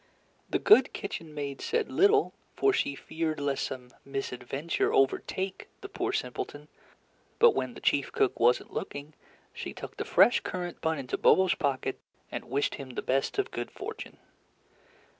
The good kitchen maid said little, for she feared lest some misadventure overtake the poor simpleton; but when the chief cook was not looking, she tucked a fresh currant bun into Bobo's pocket, and wished him the best of good fortune.